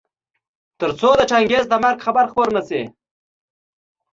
تر څو د چنګېز د مرګ خبر خپور نه شي.